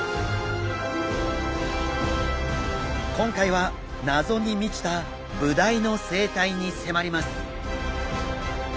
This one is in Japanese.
今回は謎に満ちたブダイの生態に迫ります。